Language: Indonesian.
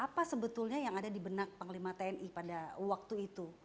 apa sebetulnya yang ada di benak panglima tni pada waktu itu